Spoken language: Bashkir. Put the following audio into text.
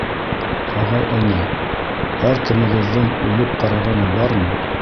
— Ағай-эне, һәр кемегеҙҙең үлеп ҡарағаны бармы?